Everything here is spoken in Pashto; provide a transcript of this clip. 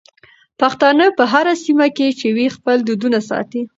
پښتانه په هره سيمه کې چې وي خپل دودونه ساتي.